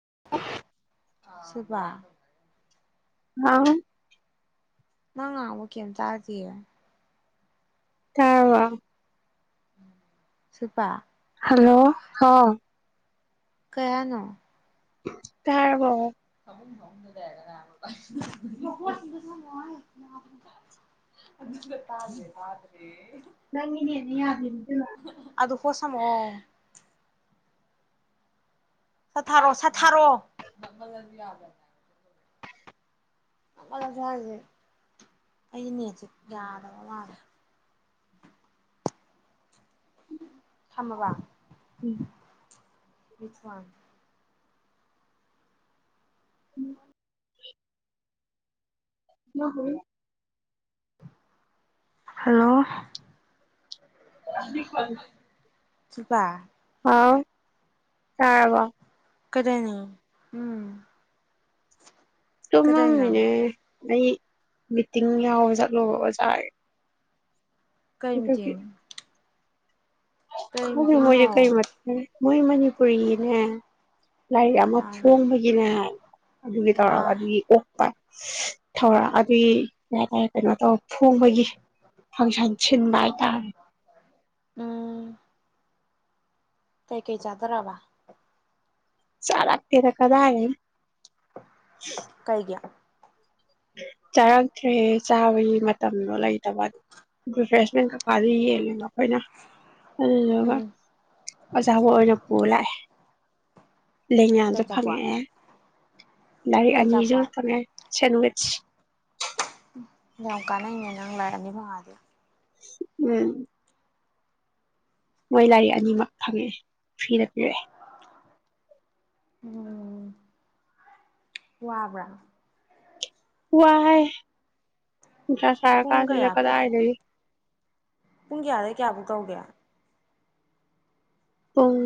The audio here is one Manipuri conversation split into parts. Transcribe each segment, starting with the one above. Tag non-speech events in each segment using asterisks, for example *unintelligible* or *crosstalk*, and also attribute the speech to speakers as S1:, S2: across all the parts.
S1: *inaudible*
S2: ꯁꯤꯜꯄꯥ
S1: ꯍꯥꯎ
S2: ꯅꯪ ꯉꯥꯡꯕ ꯀꯩꯝ ꯇꯥꯗꯤꯌꯦ
S1: ꯇꯥꯔꯕꯣ
S2: ꯁꯤꯜꯄꯥ
S1: ꯍꯜꯂꯣ ꯍꯥꯎ
S2: ꯀꯩ ꯍꯥꯏꯅꯣ
S1: ꯇꯥꯔꯕꯣ
S2: *inaudible* *unintelligible* *inaudible*
S1: ꯅꯪꯒꯤ ꯅꯦꯠꯅꯤ ꯌꯥꯗ꯭ꯔꯤꯁꯦ ꯏꯕꯦꯝꯃ
S2: ꯍꯦꯁꯄꯣꯠ ꯁꯝꯃꯛꯑꯣ ꯁꯥꯠꯊꯔꯣ ꯁꯥꯠꯊꯥꯔꯣ ꯍꯥꯏꯁꯦ ꯑꯩ ꯅꯦꯠꯁꯦ ꯌꯥꯗꯕ ꯃꯥꯜꯂꯦ ꯁꯝꯃꯕ
S1: ꯎꯝ
S2: *inaudible*
S1: *inaudible* *inaudible*
S2: ꯍꯜꯂꯣ
S1: *inaudible*
S2: ꯁꯤꯜꯄꯥ
S1: ꯑꯥꯎ ꯆꯥꯔꯕꯣ
S2: ꯀꯩꯗꯧꯔꯤꯅꯣ ꯎꯝ
S1: ꯇꯨꯝꯃꯝ
S2: ꯀꯩꯗꯧꯅꯣ
S1: ꯃꯤꯅꯦ ꯑꯩ ꯃꯤꯇꯤꯡ ꯌꯥꯎꯕ ꯆꯠꯂꯨꯕ ꯑꯣꯖꯥꯒꯤ
S2: ꯀꯩ
S1: ꯑꯗꯨꯒꯤ
S2: ꯃꯤꯇꯤꯡ ꯀꯩ
S1: ꯈꯪꯗꯦ ꯃꯣꯏꯁꯦ
S2: ꯃꯤꯇꯤꯡꯅꯣ
S1: ꯀꯔꯤ ꯃꯤꯇꯤꯡꯅꯣ ꯃꯣꯏ ꯃꯅꯤꯄꯨꯔꯤꯅꯦ ꯂꯥꯏꯔꯤꯛ ꯑꯃ
S2: ꯑꯥ
S1: ꯐꯣꯡꯕꯒꯤꯅꯦ ꯑꯗꯨꯒꯤ ꯇꯧꯔꯒ
S2: ꯑꯥ
S1: ꯑꯗꯨꯒꯤ ꯑꯣꯛꯄ ꯊꯧꯔꯝ ꯑꯗꯨꯒꯤ ꯀꯩ ꯍꯥꯏꯇꯥꯔꯦ ꯀꯩꯅꯣ ꯇꯧ ꯐꯣꯡꯕꯒꯤ ꯐꯪꯁꯟ ꯁꯤꯟꯕ ꯍꯥꯏꯇꯔꯦ
S2: ꯀꯩ ꯀꯩ ꯆꯗꯔꯕ
S1: ꯆꯔꯥꯛ ꯇꯦꯗ ꯀꯗꯥꯏꯗꯩꯅꯣ
S2: ꯀꯩꯒꯤ
S1: ꯆꯥꯔꯛꯇ꯭ꯔꯦ ꯆꯥꯕꯒꯤ ꯃꯇꯝꯗꯣ ꯂꯩꯇꯕ ꯔꯤꯐ꯭ꯔꯦꯁꯃꯦꯟ ꯀꯩꯀꯥꯗꯨ ꯌꯦꯜꯂꯤꯕ ꯑꯩꯈꯣꯏꯅ ꯑꯗꯨꯗꯨꯒ
S2: ꯎꯝ
S1: ꯑꯆꯥꯄꯣꯠ ꯑꯣꯏꯅ ꯄꯨꯔ ꯂꯥꯛꯑꯦ ꯂꯦꯡ
S2: ꯀꯩ
S1: ꯌꯥꯟꯁꯨ
S2: ꯑꯆꯥꯄꯣꯠ
S1: ꯐꯪꯉꯛꯑꯦ ꯂꯥꯏꯔꯤꯛ
S2: ꯀꯩ
S1: ꯑꯅꯤꯁꯨ
S2: ꯑꯆꯥꯄꯣꯠ
S1: ꯐꯪꯉꯦ ꯁꯦꯟ ꯋꯤꯁ *inaudible*
S2: ꯌꯥꯝ ꯀꯥꯟꯅꯩꯅꯦ ꯅꯪ ꯂꯥꯢꯔꯤꯛ ꯑꯅꯤ ꯃꯐꯪꯉꯛ ꯑꯗꯤ
S1: ꯎꯝ ꯃꯣꯏ ꯂꯥꯏꯔꯤꯛ ꯑꯅꯤꯃꯛ ꯐꯪꯉꯛꯑꯦ ꯐ꯭ꯔꯤꯗ ꯄꯤꯔꯛꯑꯦ
S2: ꯎꯝ ꯋꯥꯕ꯭ꯔꯥ
S1: ꯋꯥꯏ ꯅꯨꯡꯁꯥ ꯁꯔꯥ
S2: ꯄꯨꯡ
S1: ꯀꯥꯟꯁꯤꯗ
S2: ꯀꯌꯥ ꯄꯨꯡ
S1: ꯀꯗꯥꯏꯗꯒꯤ
S2: ꯄꯨꯡ ꯀꯌꯥꯗꯩ ꯀꯌꯥꯕꯨꯛ ꯇꯧꯒꯦ
S1: ꯄꯨꯡ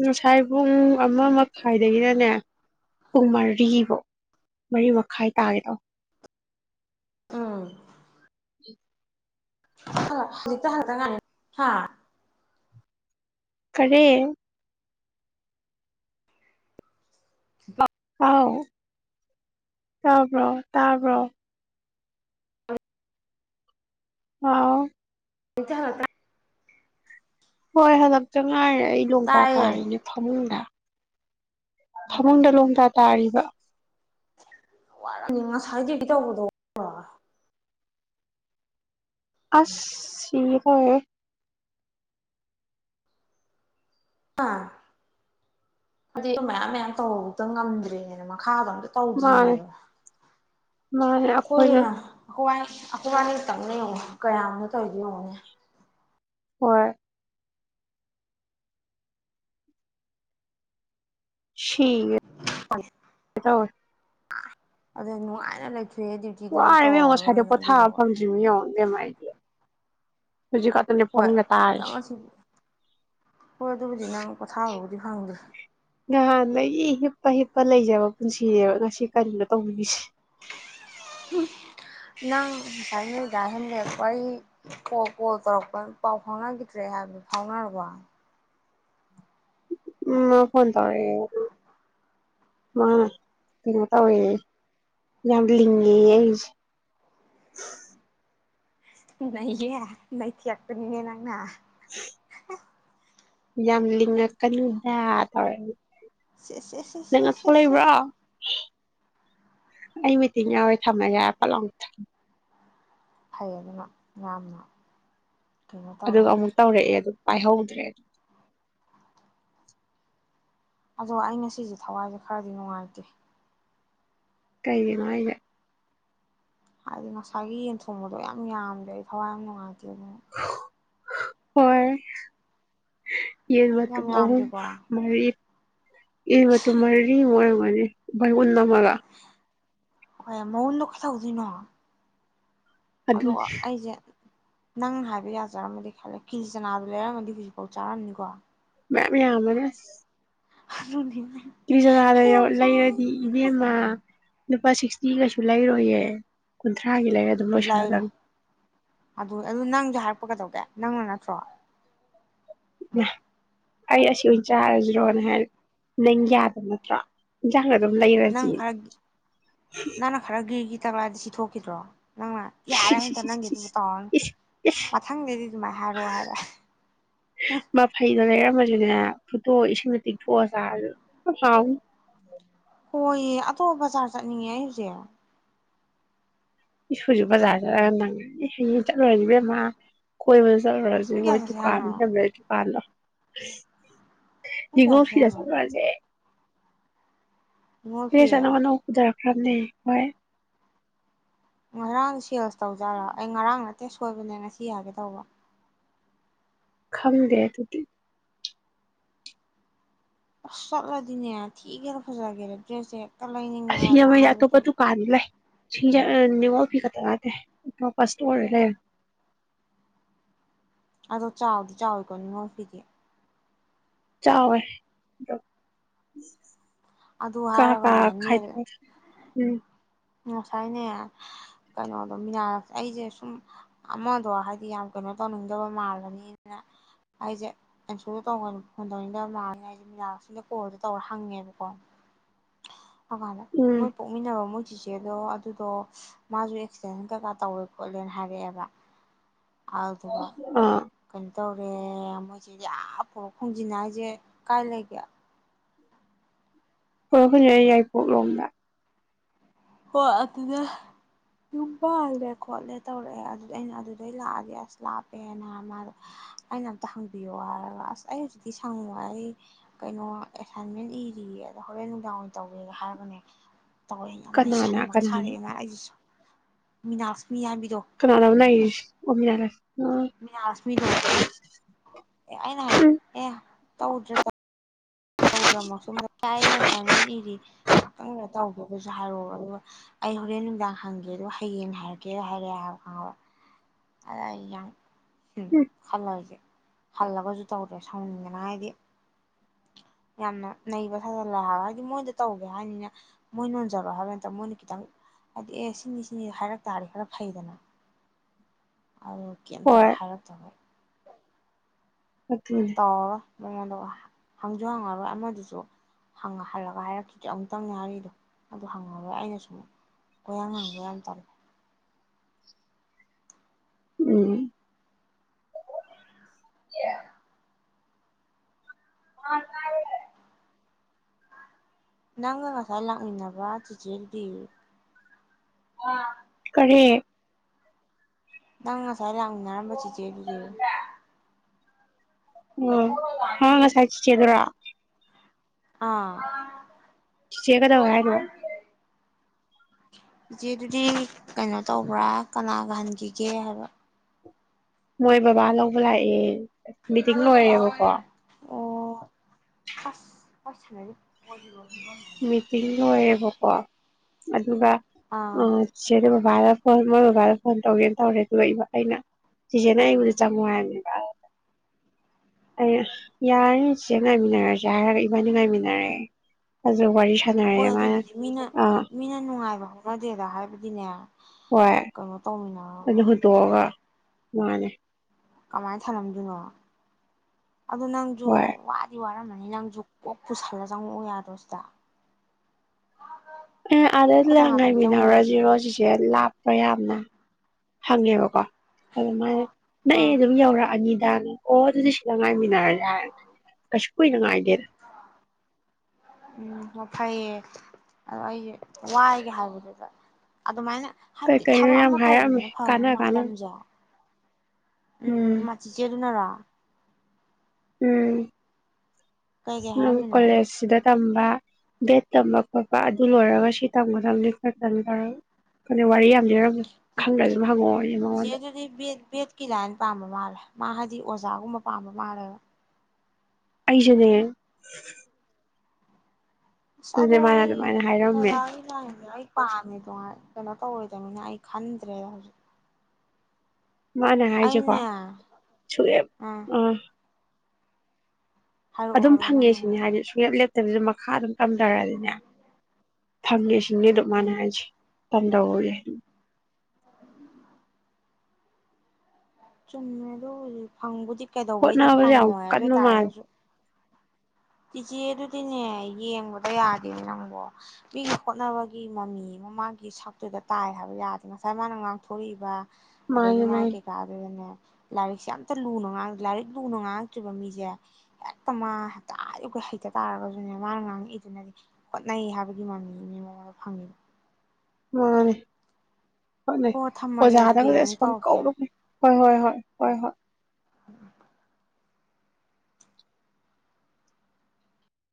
S1: ꯉꯁꯥꯏ ꯄꯨꯡ ꯑꯃ ꯃꯈꯥꯏꯗꯒꯤꯅꯅꯦ ꯄꯨꯡ ꯃꯔꯤꯕꯧ ꯃꯔꯤ ꯃꯈꯥꯏ ꯇꯥꯒꯦ ꯇꯧ
S2: ꯎꯝ
S1: *inaudible*
S2: ꯍꯧꯖꯤꯛꯇ ꯍꯜꯂꯛꯇ ꯉꯥꯏꯔꯤ ꯍꯥ
S1: ꯀꯔꯤ
S2: *inaudible*
S1: ꯑꯥꯎ ꯇꯕ꯭ꯔꯣ ꯇꯥꯕ꯭ꯔꯣ
S2: ꯑ
S1: ꯑꯥꯎ
S2: ꯍꯧꯖꯤꯛꯇꯥ ꯍꯜꯂꯛꯇꯥ ꯉꯥꯢꯔꯤ
S1: ꯍꯣꯏ ꯍꯟꯂꯛꯇ ꯉꯏꯔꯤ ꯑꯩ ꯂꯣꯡꯗ
S2: ꯇꯥꯏꯌꯦ
S1: ꯇꯔꯤꯅꯦ ꯐꯥꯃꯨꯡꯗ ꯐꯥꯃꯨꯡꯗ ꯂꯣꯡꯗ ꯇꯥꯔꯤꯕ
S2: ꯋꯔꯝꯅꯤ ꯉꯁꯥꯏꯗꯒꯤ ꯇꯧꯕꯗꯣ
S1: ꯑꯥꯁ ꯁꯤꯒꯦ ꯇꯧꯏꯍꯦ
S2: ꯑ ꯑꯗꯨꯗꯤ ꯃꯌꯥꯝ ꯃꯌꯥꯝ ꯇꯧꯍꯧꯕꯗ ꯉꯝꯗ꯭ꯔꯦꯅ ꯃꯈꯥꯗ
S1: ꯃꯥꯅꯦ ꯃꯥꯅꯦ ꯑꯈꯣꯏꯅ
S2: ꯈꯋ꯭ꯥꯏꯅꯤ ꯑꯈꯣꯢꯕꯅꯤ ꯇꯪꯅꯥ ꯌꯦꯡꯉꯣ ꯀꯌꯥꯅꯣ ꯇꯧꯔꯤꯗꯣ ꯌꯦꯡꯉꯣꯅꯦ
S1: ꯍꯣꯏ ꯁꯤꯒꯦ ꯇꯧꯑꯦ
S2: ꯑꯗꯨꯅꯦ ꯅꯨꯡꯥꯏꯅ ꯂꯩꯊꯣꯛ
S1: ꯋꯥꯔꯦ ꯏꯕꯦꯝꯃꯥ ꯉꯁꯥꯏꯗꯣ ꯄꯣꯊꯥꯕ ꯐꯪꯗ꯭ꯔꯤꯃꯤ ꯌꯦꯡꯉꯣ ꯏꯕꯦꯝꯃꯥ ꯑꯩꯗꯤ ꯍꯧꯖꯤꯛ ꯈꯛꯇꯅꯦ
S2: ꯍꯣꯏ
S1: ꯐꯃꯨꯡꯗ
S2: ꯅꯪ
S1: ꯇꯥꯔꯤꯁꯦ
S2: ꯉꯥꯁꯤ ꯍꯣꯏ ꯑꯗꯨꯕꯨꯗꯤ ꯅꯪ ꯄꯣꯊꯥꯕꯕꯨꯗꯤ ꯐꯪꯗ꯭ꯔꯦ
S1: ꯉꯍꯥꯟꯗꯒꯤ ꯍꯤꯞꯄ ꯍꯤꯞꯄ ꯂꯩꯖꯕ ꯄꯨꯟꯁꯤꯅꯦꯕ ꯉꯁꯤ ꯀꯔꯤꯅꯣ ꯇꯧꯕꯤꯔꯤꯁꯦ
S2: ꯅꯪ ꯉꯁꯥꯏ ꯅꯣꯏꯗꯍꯦꯅ ꯂꯩꯔꯛꯄꯩ *unintelligible* ꯐꯣꯅ ꯀꯣꯜ ꯇꯧꯔꯛꯄ ꯄꯥꯎ ꯐꯥꯎꯅꯈꯤꯗ꯭ꯔꯦ ꯍꯥꯏꯕꯗꯨ ꯐꯥꯎꯅꯔꯕꯣ
S1: ꯎꯝ ꯃꯥ ꯐꯣꯟ ꯇꯧꯔꯛꯑꯦ ꯃꯅꯥ ꯀꯩꯅꯣ ꯇꯧꯋꯦ ꯌꯥꯝ ꯂꯤꯡꯉꯦ ꯑꯩꯁꯦ
S2: ꯅꯩꯌꯦ ꯅꯩꯊꯦꯛꯄꯅꯤꯅꯦ ꯅꯪꯅ
S1: *inaudible* ꯌꯥꯝ ꯂꯤꯡꯉꯛꯀꯅꯨꯗ ꯇꯧꯔꯛ
S2: ꯁꯦ ꯁꯦ ꯁꯦ ꯁꯦ ꯁꯦ
S1: ꯑꯩ ꯃꯤꯇꯤꯡ ꯌꯥꯎꯋꯦ ꯊꯝꯃꯒꯦ ꯍꯥꯏꯔ ꯄꯥꯠ ꯂꯥꯎ ꯀꯥꯀꯊꯠ
S2: ꯐꯩ ꯑꯗꯨꯅ ꯌꯥꯝꯅꯥ
S1: ꯑꯗꯨꯒ ꯑꯃꯨꯛ ꯇꯧꯔꯛꯑꯦ ꯑꯗꯨ ꯄꯥꯏꯍꯧꯗ꯭ꯔꯦ
S2: ꯑꯗꯣ ꯑꯩ ꯉꯁꯤꯁꯦ ꯊꯋꯥꯏꯁꯦ ꯈꯔꯗꯤ ꯅꯨꯡꯉꯥꯏꯇꯦ
S1: ꯀꯩꯒꯤꯅꯣ ꯍꯥꯢꯁꯦ
S2: ꯍꯥꯏꯗꯤ ꯉꯁꯥꯏꯒꯤ ꯌꯦꯟ ꯊꯣꯡꯕꯗꯣ ꯌꯥꯝ ꯌꯥꯝꯗꯦ ꯑꯩ ꯊꯋꯥꯏ ꯌꯥꯝ ꯅꯨꯡꯉꯥꯏꯇꯦ ꯑꯗꯨꯅ
S1: ꯍꯣꯏ ꯌꯦꯟ ꯃꯇꯨꯝ
S2: ꯌꯥꯝ
S1: ꯑꯍꯨꯝ
S2: ꯌꯥꯝꯗꯦꯀꯣ
S1: ꯃꯔꯤ ꯏꯕ ꯃꯇꯨꯝ ꯃꯔꯤ ꯃꯨꯛ ꯑꯣꯏꯔꯝꯒꯅꯤ *unintelligible* ꯃꯂ
S2: ꯍꯣꯢ ꯃꯑꯟꯗꯣ ꯀꯇꯧꯗꯣꯢꯅꯣ ꯑꯗꯣ
S1: ꯑꯗꯨꯗꯤ
S2: ꯑꯩꯁꯦ ꯅꯪꯅ ꯍꯥꯏꯕ ꯌꯥꯖꯔꯝꯃꯗꯤ ꯈꯜꯂꯦ ꯀꯤꯂꯤꯆꯅꯥꯗꯨ ꯂꯩꯔꯝꯃꯗꯤ ꯍꯧꯖꯤꯛꯐꯥꯎ ꯆꯥꯔꯝꯅꯤꯀꯣ
S1: ꯃꯌꯥꯝ ꯌꯥꯝꯕꯅꯤ ꯑꯁ
S2: ꯑꯗꯨꯅꯤ
S1: ꯀꯤꯂꯤ ꯆꯅꯥꯗꯣ ꯂꯩꯔꯗꯤ ꯏꯕꯦꯝꯃ ꯂꯨꯄꯥ ꯁꯤꯛꯁꯇꯤꯒꯤꯀꯩꯁꯨ ꯂꯩꯔꯣꯏꯌꯦ ꯀꯨꯟꯊ꯭ꯔꯥ
S2: ꯂꯩꯔꯣ ꯑꯗꯨ ꯑꯗꯨ ꯅꯪꯁꯨ ꯍꯥꯏ ꯀꯗꯧꯒꯦ ꯅꯪꯅ ꯅꯠꯇ꯭ꯔꯣ
S1: *inaudible* ꯑꯩ ꯑꯁꯤ ꯑꯣꯏꯅ ꯆꯥꯔꯁꯤꯔꯣꯅ ꯍꯥꯏ ꯅꯪ ꯌꯥꯗꯕ ꯅꯠꯇ꯭ꯔꯣ ꯆꯪꯑ ꯑꯗꯨꯝ
S2: ꯅꯪ
S1: ꯂꯩꯔꯁꯤꯅ
S2: ꯈꯔ ꯇꯛꯂꯑꯗꯤ ꯁꯤ ꯊꯣꯛꯈꯤꯗ꯭ꯔꯣ ꯅꯪꯅ ꯌꯥꯔꯦ ꯍꯦꯛꯇ ꯅꯪꯒꯤ ꯑꯗꯨꯝꯕ ꯇꯧꯔꯅꯨ
S1: ꯏꯁ ꯏꯁ
S2: ꯃꯊꯪꯗꯩꯗꯤ ꯑꯗꯨꯃꯥꯏꯅ ꯍꯥꯏꯔꯣ ꯍꯥꯏꯕ
S1: ꯐꯇꯣꯛꯑꯒ ꯏꯁꯤꯡꯗ ꯇꯤꯡ ꯊꯣꯛꯑꯒ ꯆꯥꯔꯁꯨ ꯍꯥꯎꯅꯤ
S2: ꯍꯣꯏꯌꯦ ꯑꯗꯣ ꯕꯖꯥꯔ ꯆꯠꯅꯤꯡꯉꯦ ꯑꯩ ꯍꯧꯖꯤꯛ
S1: ꯏꯁ ꯍꯧꯖꯤꯛ ꯕꯖꯥꯔ ꯆꯠꯂꯒ ꯅꯪ ꯑꯅꯤ ꯍꯌꯦꯡ ꯆꯠꯂꯨꯔꯁꯤ ꯏꯕꯦꯝꯃ ꯀꯣꯏꯕ ꯆꯠꯂꯨꯔꯁꯤ
S2: ꯄꯨꯡ ꯀꯌꯥ
S1: ꯃꯣꯏ
S2: ꯆꯠꯁꯦ
S1: ꯗꯨꯀꯥꯟ
S2: ꯍꯥꯏꯅꯣ
S1: ꯍꯦꯝꯕꯩ ꯗꯨꯀꯥꯟꯗꯣ *inaudible*
S2: ꯄꯨꯡ ꯀꯌꯥ
S1: ꯉꯤꯉꯣꯜ
S2: ꯆꯠꯁꯦ
S1: ꯐꯤꯗ
S2: ꯍꯥꯏꯅꯣ
S1: ꯆꯠꯂꯨꯔꯖꯦ ꯐꯤ
S2: ꯏꯉꯣꯜꯐꯤꯌꯦ
S1: ꯑꯅꯧ ꯑꯅꯧꯕ ꯄꯨꯗꯔꯛꯄꯅꯤ *inaudible*
S2: ꯉꯔꯥꯡ ꯁꯦꯜꯁ ꯇꯧꯖꯥꯠꯔꯣ ꯑꯩ ꯉꯔꯥꯡ ꯅꯠꯇꯦ ꯁꯣꯏꯕꯅꯦ ꯉꯁꯤ ꯍꯥꯌꯒꯦ ꯇꯧꯕ
S1: ꯈꯝꯗꯦ ꯑꯗꯨꯗꯤ
S2: ꯑꯁ ꯆꯠꯂꯗꯤꯅꯦ ꯊꯤꯒꯦꯔ ꯐꯖꯒꯦꯔꯥ ꯗ꯭ꯔꯦꯁꯦ
S1: ꯁꯤꯡꯖꯃꯩꯗ ꯑꯇꯣꯞꯄ ꯗꯨꯀꯥꯟꯗꯤ ꯂꯩ ꯅꯤꯉꯣꯜ ꯐꯤ ꯈꯛꯇ ꯅꯠꯇꯦꯑꯇꯣꯄ ꯁ꯭ꯇꯣꯔꯁꯨ ꯂꯩꯔꯕꯅꯤ
S2: ꯑꯗꯣ ꯆꯥꯎꯗꯤ ꯆꯥꯎꯋꯤꯀꯣ ꯅꯤꯡꯉꯣ ꯐꯤꯒꯤ
S1: ꯆꯥꯎꯥꯋꯦ
S2: ꯑꯗꯨ
S1: ꯀꯥ ꯀꯥ
S2: ꯍꯥꯏꯔꯒꯅꯦ ꯅꯦꯜ
S1: ꯈꯥꯏꯗꯣꯛ ꯎꯝ
S2: ꯉꯁꯥꯏꯅꯦ ꯀꯩꯅꯣꯗꯣ ꯃꯤꯅꯥ ꯑꯩꯁꯦ ꯁꯨꯝ ꯑꯃꯗꯣ ꯍꯥꯏꯗꯤ ꯌꯥꯝ ꯀꯩꯅꯣ ꯇꯧꯅꯤꯡꯗꯕ ꯃꯥꯜꯂꯅꯤꯅ ꯑꯩꯁꯦ ꯑꯦꯟꯁꯔꯗ ꯇ ꯐꯣꯟ ꯇꯧꯅꯤꯡꯗꯕ ꯃꯥꯜꯂꯅꯤ ꯍꯥꯏꯔꯦ ꯃꯤꯅꯥꯛꯁꯤꯗ ꯀꯣꯜꯗꯣ ꯇꯧꯔ ꯍꯪꯉꯦꯕꯀꯣ ꯍꯪꯀꯥꯟꯗ
S1: ꯎꯝ
S2: ꯃꯣꯏ ꯄꯣꯛꯃꯤꯅꯕ ꯃꯣꯏ ꯁꯤꯁꯦ ꯑꯗꯣ ꯑꯗꯨꯗꯣ ꯃꯥꯁꯨ ꯑꯦꯛꯁꯤꯗꯦꯟ ꯀꯩꯀꯥ ꯇꯧꯔꯦ ꯈꯣꯠꯂꯦꯅ ꯍꯥꯏꯔꯛꯑꯦꯕ ꯑꯜꯗꯨꯒ
S1: ꯑꯥ
S2: ꯀꯟ ꯇꯧꯔꯦ ꯃꯣꯏꯁꯦ ꯌꯥꯝ ꯄꯨꯔꯣꯛ ꯈꯣꯡꯖꯤꯟ ꯍꯥꯏꯁꯦ ꯀꯥꯏ ꯂꯩꯒꯦ
S1: ꯄꯨꯔꯣꯛ ꯈꯣꯟꯖꯤꯟ ꯍꯥꯢꯁꯦ ꯌꯥꯏꯔꯤꯄꯣꯛ ꯂꯣꯝꯗ
S2: ꯍꯣꯏ ꯑꯗꯨꯗ ꯌꯨꯝ ꯄꯥꯜꯂꯦ ꯈꯣꯠꯂꯦ ꯇꯧꯔꯛꯑꯦ ꯑꯗꯨꯗꯤ ꯑꯩꯅ ꯑꯗꯨꯗꯩ ꯂꯥꯛꯑꯗꯤ ꯑꯁ ꯂꯥꯞꯄꯦꯅ ꯃꯥꯗꯣ ꯑꯩꯅ ꯑꯝꯇ ꯍꯪꯕꯤꯌꯣ ꯍꯥꯏꯔꯒ ꯑꯁ ꯑꯩ ꯍꯧꯖꯤꯛꯇꯤ ꯁꯪꯉꯣꯢ ꯑꯩ ꯀꯩꯅꯣ ꯑꯦꯁꯥꯏꯟꯃꯦꯟ ꯏꯔꯤꯌꯦ ꯑꯗꯣ ꯍꯣꯔꯦꯟ ꯅꯨꯡꯗꯥꯡ ꯇꯧꯒꯦ ꯍꯥꯏꯔꯒꯅꯦ ꯊꯧ ꯌꯥꯝ
S1: ꯀꯅꯥꯅ
S2: ꯂꯩꯩꯁꯟꯕꯒ
S1: ꯀꯅꯥꯅ
S2: ꯁꯥꯔꯛꯑꯦ ꯃꯥ ꯑꯩꯁꯨ ꯃꯤꯅꯥꯁ
S1: ꯀꯅꯥꯥꯅꯣꯕ ꯅꯩꯔꯤꯁꯦ ꯎꯃ ꯃꯤꯟꯅꯔꯥꯁ
S2: ꯃꯤꯅꯂꯛꯁꯃꯤꯗꯣ ꯑꯦ ꯑꯩꯅ ꯍꯥꯏꯗꯤ
S1: ꯎꯝ
S2: ꯑꯦ ꯇꯧꯗ꯭ꯔꯦ ꯇꯧ ꯇꯧꯗ꯭ꯔꯃꯛꯁꯨ ꯃꯥ ꯑꯩꯗꯣ ꯑꯦꯁꯥꯏꯟꯃꯦꯟꯠ ꯏꯔꯤ ꯉꯍꯥꯛꯇꯪ ꯂꯩꯔ ꯇꯧꯒꯦꯗꯁꯨ ꯍꯥꯏꯔꯛꯑꯣꯕ ꯑꯗꯨꯒ ꯑꯩ ꯍꯣꯔꯦꯟ ꯅꯨꯡꯗꯥꯡ ꯍꯪꯒꯦꯗꯨꯒ ꯍꯌꯦꯡ ꯍꯥꯏꯔꯛꯀꯦꯒ ꯍꯥꯏꯔꯛꯦ ꯍꯥꯏꯕ ꯈꯪꯉꯥꯕ ꯑꯗꯥ ꯑꯩꯗꯣ ꯌꯥꯝ ꯎꯝ ꯈꯜꯂꯥꯁꯦ ꯍꯜꯂꯥꯒꯁꯨ ꯇꯧꯗ꯭ꯔꯦ ꯁꯥꯎꯅꯤꯡꯗꯅ ꯍꯥꯏꯗꯤ ꯌꯥꯝꯅ ꯅꯩꯕ ꯁꯥꯖꯜꯂꯦ ꯍꯥꯏꯕ ꯍꯥꯏꯗꯤ ꯃꯣꯏꯗ ꯇꯧꯒꯦ ꯍꯥꯏꯕꯅꯤꯅ ꯃꯣꯏ ꯅꯣꯟꯖꯔꯣ ꯍꯥꯏꯕ ꯅꯠꯇꯕ ꯃꯣꯏꯅ ꯈꯤꯇꯪ ꯍꯥꯏꯕꯗꯤ ꯑꯦ ꯁꯤꯅꯤ ꯁꯤꯅꯤ ꯍꯥꯏꯔꯛ ꯇꯥꯔꯗꯤ ꯈꯔ ꯐꯩꯗꯅ ꯑꯗꯨ ꯀꯦꯝꯇꯒꯥ
S1: ꯍꯣꯏ
S2: ꯍꯥꯏꯔꯛꯇꯥꯕ *inaudible*
S1: ꯑꯗꯨꯅꯦ
S2: ꯇꯧꯔꯔꯣꯢ ꯃꯉꯣꯟꯗ ꯍꯪꯁꯨ ꯍꯪꯉꯥꯔꯣꯏ ꯑꯃꯗꯨꯁꯨ ꯍꯪꯉꯥ ꯍꯜꯂꯒ ꯍꯥꯏꯔꯛꯈꯤꯗꯦ ꯑꯃꯨꯛꯇꯪꯅꯦ ꯍꯥꯢꯔꯛꯢꯗꯣ ꯑꯗꯨ ꯍꯪꯉꯥꯔꯣꯏ ꯑꯩꯅ ꯁꯨꯝ ꯀꯣꯏꯍꯪ ꯍꯪꯡꯕ ꯌꯥꯝ ꯇꯜꯂꯦ
S1: ꯎꯝ ꯑꯥ ꯇꯥꯢꯌꯦ
S2: ꯅꯪꯒ ꯉꯥꯁꯥꯏ ꯂꯥꯛꯃꯤꯟꯅꯕ ꯆꯤꯆꯦꯗꯨꯗꯤ
S1: ꯑꯥ ꯀꯔꯤ
S2: ꯅꯪ ꯉꯥꯁꯥꯢ ꯉꯥꯁꯥꯢ ꯂꯥꯛꯃꯤꯟꯅꯔꯝꯕ ꯆꯤꯆꯦ ꯗꯨꯗꯤ
S1: ꯑꯣ ꯃꯉꯥꯁꯥꯢ ꯆꯦꯆꯦ ꯗꯨꯔꯣ
S2: ꯑꯥ
S1: ꯆꯤꯆꯦ ꯀꯩꯗꯧꯋꯦ ꯍꯥꯏꯅꯣ
S2: ꯏꯆꯦ ꯗꯨꯗꯤ ꯀꯩꯅꯣ ꯇꯧꯕ꯭ꯔꯥ ꯀꯅꯥꯒ ꯍꯟꯈꯤꯒꯦ ꯍꯥꯏꯕ
S1: ꯃꯣꯏ ꯕꯕꯥ ꯂꯧꯕ ꯂꯥꯛꯑꯦ
S2: ꯆꯥꯛ
S1: ꯃꯤꯇꯤꯡ
S2: ꯂꯧ
S1: ꯂꯣꯏꯔꯦꯕꯀꯣ
S2: ꯂꯥꯛꯑꯣꯌꯦ ꯑꯣ ꯑꯁ ꯑꯁ ꯁꯥꯟꯅꯔꯤ ꯃꯣꯢꯒꯤꯔꯣ ꯁꯤꯕꯣ
S1: ꯃꯤꯇꯤꯡ ꯂꯣꯏꯔꯦꯕꯀꯣ ꯑꯗꯨꯒ
S2: ꯑꯥ
S1: ꯑꯣ ꯆꯦꯗꯣ ꯕꯥꯗ ꯐꯣꯟ ꯃꯣꯏ ꯕꯕꯥꯗ ꯐꯣꯟ ꯇꯧꯒꯦꯅ ꯇꯧꯔꯦ ꯑꯗꯨꯒ ꯑꯩꯅ ꯆꯦꯆꯦꯅ ꯑꯩꯕꯨꯗ ꯆꯪꯉꯨ ꯍꯥꯏꯕꯅꯦꯕ ꯑꯩꯅ ꯌꯥꯔꯅꯤ ꯆꯦ ꯉꯥꯏꯃꯤꯟꯅꯔꯁꯦ ꯍꯥꯏꯔꯒ ꯏꯕꯥꯅꯤ ꯉꯥꯏꯃꯤꯟꯅꯔꯦ ꯑꯖꯥ ꯋꯥꯔꯤꯁꯦ
S2: ꯍꯣꯏ ꯑꯗꯨꯕꯨꯗꯤ ꯃꯤꯅ ꯃꯤꯅ ꯅꯨꯡꯉꯥꯏꯕ ꯍꯧꯅꯗꯦꯗ ꯍꯥꯏꯕꯗꯤ ꯗꯤꯅꯦ *inaudible*
S1: *inaudible* ꯑ ꯃꯥꯟꯅꯦ
S2: ꯀꯃꯥꯏꯅ ꯊꯝꯂꯝ ꯗꯣꯏꯅꯣ ꯑꯗꯨ ꯅꯪꯁꯨ
S1: ꯍꯣꯏ
S2: ꯋꯥꯗꯤ ꯋꯥꯔꯝ ꯅꯪꯂꯨ ꯀꯣꯛ ꯄꯨꯨꯁꯜꯂ ꯆꯪꯉꯛꯑꯣ ꯌꯥꯗꯣ ꯁꯤꯗ
S1: ꯑꯦ ꯑꯥꯗ
S2: ꯈꯣꯏꯗꯪ ꯉꯥꯛꯇꯪ
S1: ꯉꯥꯏꯃꯤꯟꯅꯩꯔ
S2: ꯆꯪꯉꯨꯈꯤꯁꯦ
S1: ꯁꯤꯔꯣ ꯆꯤꯆꯦ ꯂꯥꯞꯄ꯭ꯔꯥ ꯌꯝ ꯍꯪꯉꯦꯕꯀꯣ ꯑꯗꯨꯃꯥꯏꯅ
S2: ꯑꯣ
S1: ꯅꯣꯏ
S2: ꯑꯥ
S1: ꯑꯗꯨꯝ ꯌꯧꯔꯛ ꯑꯅꯤ ꯌꯥ ꯑꯣ ꯑꯗꯨꯗꯤ ꯁꯤꯗ ꯉꯥꯏꯃꯤꯟꯅꯔꯁꯦ ꯌꯥ ꯀꯩꯁꯨ ꯀꯨꯏꯅ ꯅꯨꯡꯉꯥꯏꯗꯦꯗ
S2: ꯎꯝ ꯐꯩꯌꯦ ꯑꯗꯣ ꯑꯩꯖꯦ ꯋꯥꯏꯒꯥ ꯍꯥꯏꯕꯗꯨꯗ ꯑꯗꯨꯃꯥꯏꯅ
S1: ꯀꯩ
S2: ꯍꯥꯏꯕꯗꯤ
S1: ꯀꯩꯅꯣ
S2: ꯊꯕꯛ
S1: ꯌꯥꯝ
S2: ꯑꯃ
S1: ꯍꯥꯏꯔꯛꯑꯝꯃꯦ
S2: ꯇꯧꯈꯤꯕꯅ ꯐꯕꯅꯤ
S1: ꯀꯥꯟꯅ ꯀꯥꯟꯅ
S2: ꯃꯇꯝꯁꯦ ꯎꯝ ꯃꯆꯦ ꯆꯝꯆꯦ ꯑꯗꯨꯅꯔ
S1: ꯎꯝ
S2: ꯀꯩ ꯀꯩ
S1: ꯅꯪ
S2: ꯍꯥꯏꯔꯝꯃꯤꯅꯣ
S1: ꯀꯣꯂꯦꯖꯁꯤꯗ ꯇꯝꯕ ꯕꯦꯠ ꯇꯝꯕ ꯈꯣꯠꯄ ꯑꯗꯨ ꯂꯣꯏꯔꯒ ꯁꯤ ꯇꯝꯕꯒꯗꯕꯗꯤ ꯈꯣꯠꯀꯗꯕꯅꯦ ꯋꯥꯔꯤ ꯌꯥꯝ ꯂꯤꯔꯝꯃꯦ ꯈꯪꯗ꯭ꯔꯁꯨ ꯑꯗꯨꯝ ꯍꯪꯉꯛꯑꯣꯌꯦ
S2: ꯆꯤꯆꯦ
S1: ꯃꯉꯣꯟꯗ
S2: ꯑꯗꯨꯗꯤ ꯕꯤ ꯕꯤꯑꯦꯠꯀꯤ ꯂꯥꯏꯟ ꯄꯥꯝꯕ ꯃꯥꯜꯂꯦ ꯃꯥ ꯍꯥꯏꯗꯤ ꯑꯣꯖꯥꯒꯨꯝꯕ ꯄꯥꯝꯕ ꯃꯥꯜꯂꯦ
S1: ꯑꯩꯁꯨꯅꯦ
S2: ꯑꯗꯨ
S1: ꯑꯗꯨꯅꯦ ꯃꯥꯅ
S2: ꯑꯩ
S1: ꯑꯗꯨꯃꯥꯏꯅ ꯍꯥꯏꯔꯝꯃꯦ
S2: ꯑꯣꯖꯒꯤ ꯂꯥꯏꯟꯁꯦ ꯑꯩ ꯄꯥꯝꯃꯤꯗꯣꯉꯥꯏ ꯀꯩꯅꯣ ꯇꯧꯔꯣꯏꯗꯅꯤꯅ ꯑꯩ ꯈꯟꯗ꯭ꯔꯦꯗ ꯍꯧꯖꯤꯛ
S1: ꯃꯥꯅꯦ ꯍꯥꯏꯁꯦꯀꯣ
S2: ꯑꯩꯅꯦ ꯑꯥ
S1: ꯁꯨꯑꯦ ꯑꯥ
S2: ꯍꯥꯏꯔꯛꯑꯣ
S1: ꯑꯗꯨꯝ
S2: ꯍꯥꯏꯔꯛꯑꯣ
S1: ꯐꯪꯉꯦ
S2: ꯅꯪ ꯍꯥꯟꯅ
S1: ꯁꯤꯅꯦ
S2: ꯍꯥꯏꯔꯛꯑꯣ
S1: ꯍꯥꯏꯗꯤ ꯁꯨꯡꯂꯦꯞ ꯂꯦꯞꯄ ꯇꯕꯤꯗ ꯃꯈꯥ ꯑꯗꯨꯝ ꯇꯝꯊꯔꯛꯗꯤꯅꯦ ꯐꯪꯉꯦ ꯗꯨꯝ ꯃꯅꯦ
S2: ꯎꯝ
S1: ꯍꯥꯏꯁꯤ ꯇꯝꯗꯧ ꯑꯣꯌꯦ
S2: ꯆꯨꯝꯃꯦ ꯑꯗꯨ ꯐꯪꯕꯕꯨꯗꯤ ꯀꯩꯗꯧ ꯕꯩꯗꯤ
S1: ꯍꯣꯠꯅꯕꯁꯦ ꯌꯥꯝ
S2: ꯐꯪꯉꯣꯏ ꯑꯗꯨ ꯑꯣꯏ
S1: ꯀꯟꯕ ꯃꯥꯜꯂꯦ
S2: ꯇꯔꯒꯁꯨ ꯆꯤꯆꯦ ꯑꯗꯨꯗꯤꯅꯦ ꯌꯦꯡꯕꯗ ꯌꯥꯗꯦꯅꯦ ꯅꯪꯕꯣ ꯃꯤꯒꯤ ꯈꯣꯠꯅꯕꯒꯤ ꯃꯃꯤ ꯑꯃ ꯃꯒꯤ ꯁꯛꯇꯨꯗ ꯇꯥꯏ ꯍꯥꯏꯕ ꯌꯥꯗꯦ ꯉꯁꯥꯏ ꯃꯥꯅ ꯉꯥꯡꯊꯣꯔꯛꯏꯕ ꯑꯗꯒꯤ
S1: ꯃꯥꯅꯦ
S2: ꯃꯥ
S1: ꯃꯥꯅꯦ
S2: ꯀꯩ ꯀꯥ ꯑꯗꯨꯗꯅꯦ ꯂꯥꯏꯔꯤꯛꯁꯦ ꯑꯝꯇ ꯂꯨ ꯉꯥꯡꯗꯦ ꯂꯥꯏꯔꯤꯛ ꯂꯨꯅ ꯉꯥꯡꯉꯛꯇ꯭ꯔꯤꯕ ꯃꯤꯁꯦ ꯍꯦꯛꯇ ꯃꯥ ꯌꯨꯛ ꯍꯩꯇ ꯇꯥꯔꯒꯁꯨꯅꯦ ꯃꯥꯅ ꯉꯥꯡꯉꯛꯏꯗꯨꯅꯗꯤ ꯍꯣꯠꯅꯩ ꯍꯥꯏꯕꯒꯤ ꯃꯃꯤꯗꯨꯅꯦ ꯃꯉꯣꯟꯗ ꯐꯪꯉꯤꯗꯣ
S1: ꯃꯥꯟꯅꯦ ꯍꯣꯠꯅꯩ
S2: ꯍꯣ ꯊꯝꯃꯒꯦ ꯑꯗꯨꯗꯤ
S1: ꯑꯣꯖꯥꯗꯒꯁꯦ
S2: ꯑꯃꯨꯛ ꯇꯧꯔꯛꯀꯦ
S1: ꯄꯪꯀꯧꯗ ꯀꯧ ꯍꯣꯏ ꯍꯣꯏ ꯍꯣꯏ ꯍꯣꯏ ꯍꯣꯏ
S2: *inaudible*